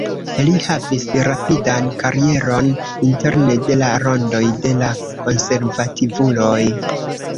Li havis rapidan karieron interne de la rondoj de la konservativuloj.